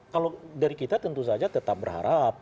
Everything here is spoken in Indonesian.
kalau dari kita tentu saja tetap berharap